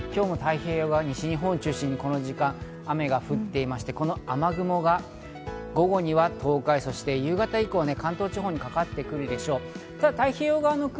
今日も太平洋側、西日本を中心に、この時間、雨が降っていまして、この雨雲が午後には東海、そして夕方以降、関東地方にかかってくるでしょう。